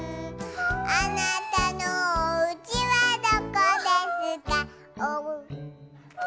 「あなたのおうちはどこですかおう」